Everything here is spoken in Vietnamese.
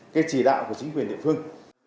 cái chỉ đạo của chính quyền địa phương